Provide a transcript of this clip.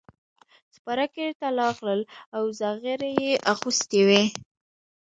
سپاره کلي ته راغلل او زغرې یې اغوستې وې.